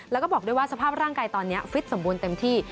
แล้วก็บอกด้วยว่าสภาพร่างกายตอนนี้ฟิตสมบูรณ์เต็มที่